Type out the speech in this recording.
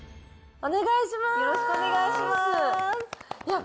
お願いします。